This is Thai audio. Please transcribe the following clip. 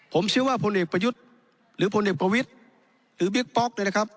ผมเชื่อว่าพลเอกประยุทธ์หรือพลเอกประวิทธิ์หรือบิ๊กป๊อกเนี่ยนะครับ